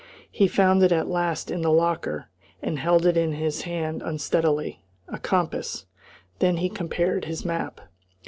He found it at last in the locker, and held it in his hand unsteadily a compass. Then he compared his map.